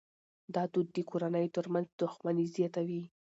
دا دود د کورنیو ترمنځ دښمني زیاتوي.